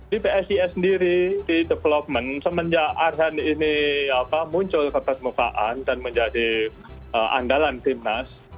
di psis sendiri di development semenjak arhan ini muncul ke permukaan dan menjadi andalan timnas